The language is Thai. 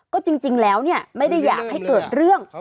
ก็จริงแล้วเนี่ยไม่ได้อยากให้เกิดเรื่อง